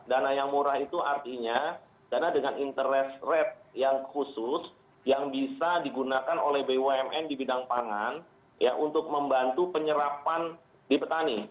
dana yang murah itu artinya dana dengan interest rate yang khusus yang bisa digunakan oleh bumn di bidang pangan ya untuk membantu penyerapan di petani